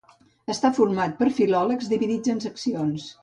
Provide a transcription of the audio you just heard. Està format per filòlegs dividits en les seccions: